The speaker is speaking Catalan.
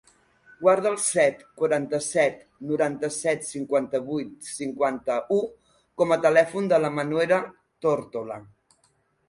Guarda el set, quaranta-set, noranta-set, cinquanta-vuit, cinquanta-u com a telèfon de la Manuela Tortola.